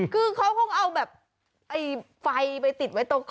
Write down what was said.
คือเขาคงเอาแบบไฟไปติดไว้ตรง